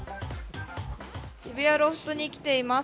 渋谷ロフトに来ています。